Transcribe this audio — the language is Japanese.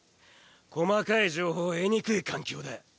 細かい情報を得にくい環境だ。